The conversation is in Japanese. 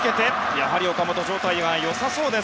やはり、岡本は状態が良さそうです。